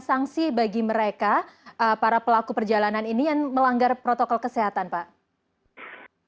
sanksi bagi mereka para pelaku perjalanan ini yang melanggar protokol kesehatan pak